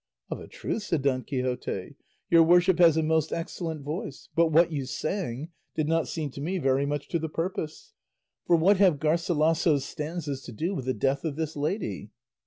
"Of a truth," said Don Quixote, "your worship has a most excellent voice; but what you sang did not seem to me very much to the purpose; for what have Garcilasso's stanzas to do with the death of this lady?"